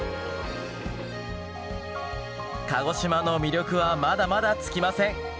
鹿児島の魅力はまだまだ尽きません。